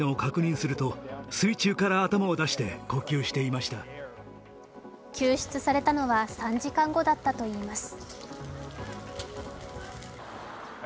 そして救出されたのは３時間後だったといいます。